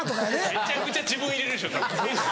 めちゃくちゃ自分入れるでしょたぶん。